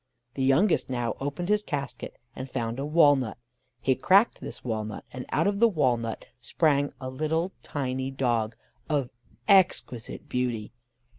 The youngest now opened his casket, and found a walnut: he cracked this walnut, and out of the walnut sprang a little tiny dog, of exquisite beauty.